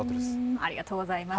ありがとうございます。